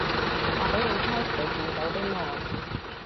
話畀我聽你見到啲咩